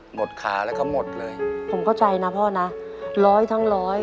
ขาแล้วก็หมดเลยผมเข้าใจนะพ่อนะร้อยทั้งร้อย